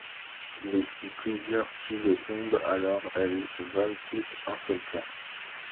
Mais si plusieurs quilles tombent, alors elles valent toutes un seul point.